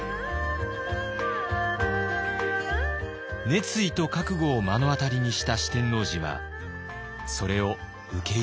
熱意と覚悟を目の当たりにした四天王寺はそれを受け入れます。